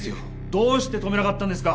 どうして止めなかったんですか？